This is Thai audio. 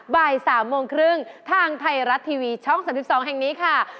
บ่าย๓โมงครึ่งทางไทยรัฐทีวีช่อง๓๒แห่งนี้ค่ะ